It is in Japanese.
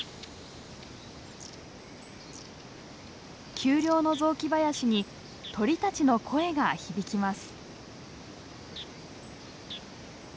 丘陵の雑木林に鳥たちの声が響きます。